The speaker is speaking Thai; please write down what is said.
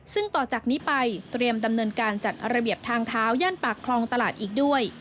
ซึ่งต่อจากนี้ไปเตรียมดำเนินการจัดระเบียบทางเท้าย่านปากคลองตลาดอีกด้วย